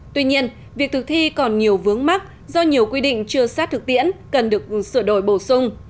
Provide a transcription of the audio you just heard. tuy nhiên việc thực thi còn nhiều vướng mắt do nhiều quy định chưa sát thực tiễn cần được sửa đổi bổ sung